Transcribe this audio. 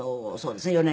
そうですね。